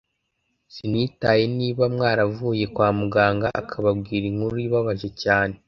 sinitaye niba mwaravuye kwa muganga akababwira inkuru ibabaje cyane